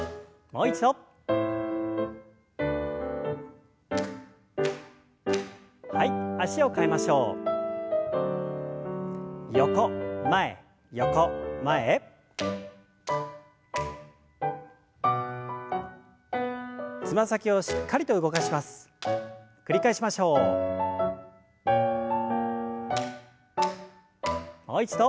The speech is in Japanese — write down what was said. もう一度。